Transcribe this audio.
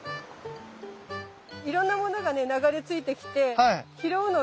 いろんなものがね流れ着いてきて拾うの結構楽しいのよ。